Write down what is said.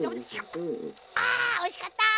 あおいしかった！